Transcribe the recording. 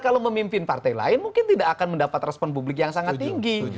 kalau memimpin partai lain mungkin tidak akan mendapat respon publik yang sangat tinggi